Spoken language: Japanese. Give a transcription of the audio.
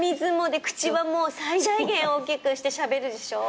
で口は最大限大きくしてしゃべるでしょ。